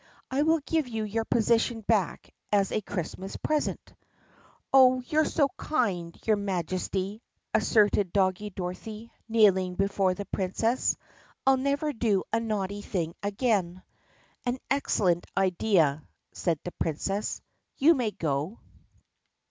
I will give you your position back as a Christmas pres ent." "Oh, you are so kind, your Majesty!" asserted Doggie Dorothy kneeling before the Princess. "I 'll never do a naughty thing again." "An excellent idea," said the Princess, "you may go."